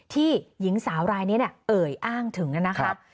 ที่หญิงสาวรายเนี่ยเนี่ยเอ่ยอ้างถึงนะครับ